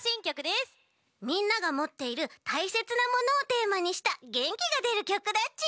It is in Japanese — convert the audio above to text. みんながもっているたいせつなものをテーマにしたげんきがでるきょくだち。